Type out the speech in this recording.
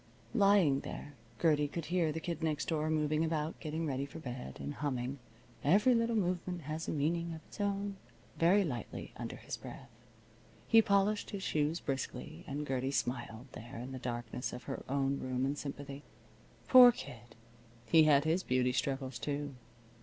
Lying there Gertie could hear the Kid Next Door moving about getting ready for bed and humming "Every Little Movement Has a Meaning of Its Own" very lightly, under his breath. He polished his shoes briskly, and Gertie smiled there in the darkness of her own room in sympathy. Poor kid, he had his beauty struggles, too.